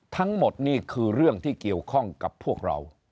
ทั้งหมดนี่คือเรื่องที่เกี่ยวข้องกับพวกเรา